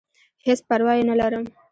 هېڅ پرواه ئې نۀ لرم -